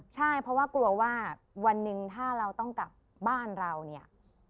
ใช่เพราะว่ากลัวว่าวันหนึ่งถ้าเราต้องกลับบ้านเราเนี่ย